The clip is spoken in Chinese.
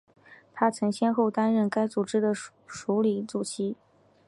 她曾先后担任该组织的署理主席。